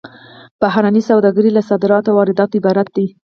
بهرنۍ سوداګري له صادراتو او وارداتو عبارت ده